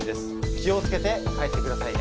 気を付けて帰ってくださいね。